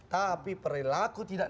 tapi perilaku tidak